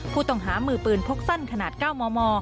ผู้ต้องหามือปืนพกสั้นขนาด๙มม